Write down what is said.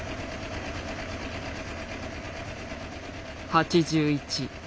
８１。